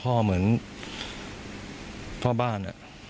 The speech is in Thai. ก็ไม่ได้คิดอะไรมาก